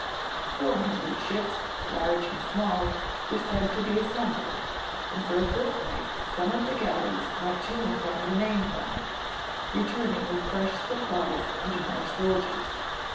Four hundred ships, large and small, were said to be assembled, and for a fortnight some of the galleys went to and from the mainland, returning with fresh supplies and more soldiers.